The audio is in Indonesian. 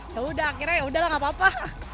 yaudah akhirnya yaudah lah gapapa